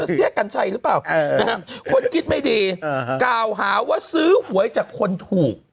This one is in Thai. เสียกัญชัยหรือเปล่าคนคิดไม่ดีกล่าวหาว่าซื้อหวยจากคนถูก